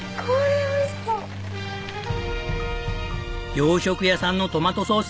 洋食屋さんのトマトソース。